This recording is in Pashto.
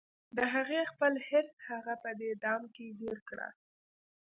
د هغې خپل حرص هغه په دې دام کې ګیر کړه